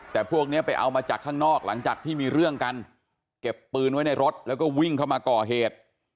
แต่พวกนี้ไปเอามาจากข้างนอกหลังจากที่มีเรื่องกันเก็บปืนไว้ในรถแล้วก็วิ่งเข้ามาก่อเหตุ